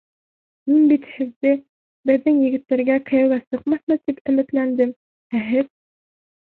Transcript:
Мин бит һеҙҙе, беҙҙең егеттәргә кейәүгә сыҡмаҫмы тип өмөтләндем, ә һеҙ...